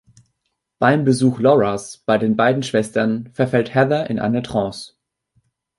Beim Besuch Lauras bei den beiden Schwestern verfällt Heather in eine Trance.